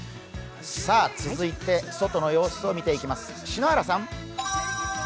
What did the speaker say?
続いて外の様子を見ていきます。